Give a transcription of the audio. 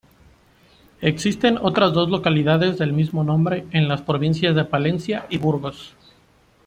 Existen otras dos localidades del mismo nombre en las provincias de Palencia y Burgos.